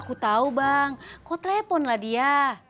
kau tak punya nomor telepon dia